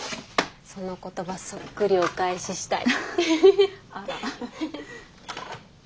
その言葉そっくりお返ししたい。